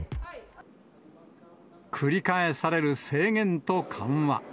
繰り返される制限と緩和。